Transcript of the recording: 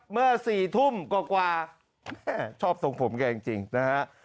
เมื่อ๔ทุ่มกว่าแม่ชอบทรงผมแกจริงนะฮะ